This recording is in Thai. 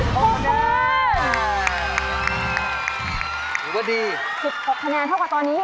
คะแนนค่ะผมดี๑๖คะแนนเท่านี้